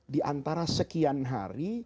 di antara sekian hari